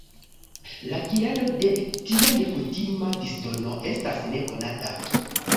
La kialo de tia nekutima disdono estas nekonata.